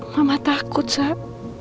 mama takut saab